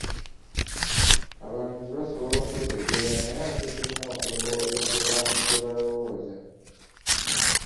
Abalamuzi basobola okwetegerera naye ate tulina okulowooza ku bantu kye balowooza.